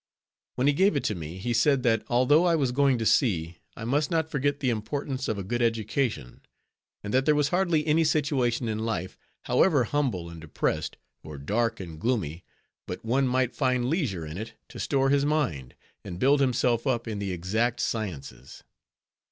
When he gave it to me, he said, that although I was going to sea, I must not forget the importance of a good education; and that there was hardly any situation in life, however humble and depressed, or dark and gloomy, but one might find leisure in it to store his mind, and build himself up in the exact sciences.